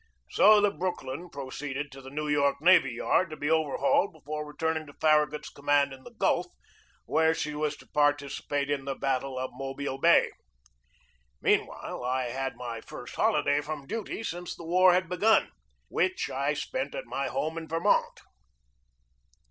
So the Brooklyn proceeded to the New York Navy Yard to be overhauled before returning to Farragut/s command in the Gulf, where she was to participate in the battle of Mobile Bay. Mean while, I had my first holiday from duty since the war had begun, which I spent at my home in Ver mont.